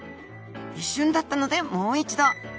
一瞬だったのでもう一度。